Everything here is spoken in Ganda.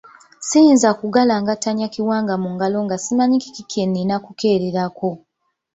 Siyinza kugalangatanya kiwanga mu ngalo nga simanyi kiki kye nnina kukeererako.